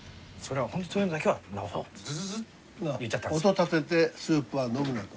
「音立ててスープは飲むな」と。